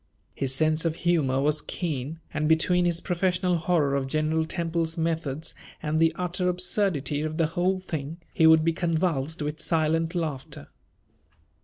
His sense of humor was keen, and, between his professional horror of General Temple's methods and the utter absurdity of the whole thing, he would be convulsed with silent laughter.